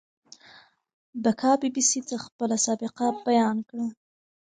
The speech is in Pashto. بکا بي بي سي ته خپله سابقه بيان کړه.